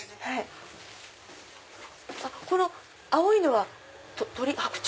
この青いのは鳥？